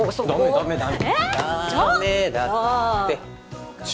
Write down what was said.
ダメだって